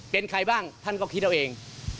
เป็นใครบ้างท่านก็คิดเอาเอง